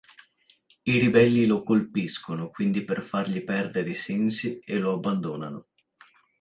I ribelli lo colpiscono quindi per fargli perdere i sensi e lo abbandonano.